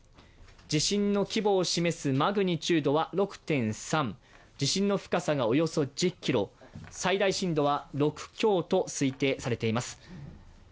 地震の規模を示すマグニチュードは６．３、地震の深さがおよそ１０ｋｍ、最大震度は６強と推定されています。